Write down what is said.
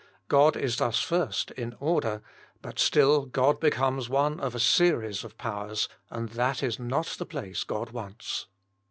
God is thus first in order, but still God becomes one of a series of powers, and that is not the place God wants.